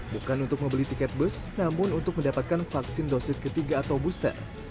bukan untuk membeli tiket bus namun untuk mendapatkan vaksin dosis ketiga atau booster